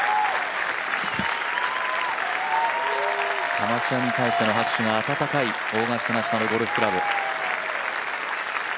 アマチュアに対しての拍手が温かいオーガスタ・ナショナル・ゴルフクラブ。